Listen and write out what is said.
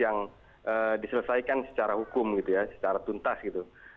yang diselesaikan secara hukum gitu ya secara tuntas gitu